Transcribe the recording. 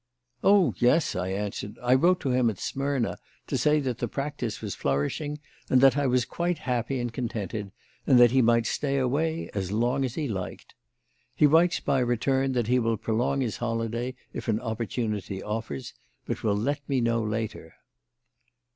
"Oh, yes," I answered. "I wrote to him at Smyrna to say that the practice was flourishing and that I was quite happy and contented, and that he might stay away as long as he liked. He writes by return that he will prolong his holiday if an opportunity offers, but will let me know later."